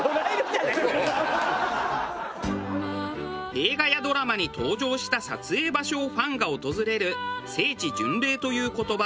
映画やドラマに登場した撮影場所をファンが訪れる「聖地巡礼」という言葉。